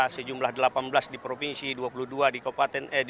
sejumlah delapan belas di provinsi dua puluh dua di kabupaten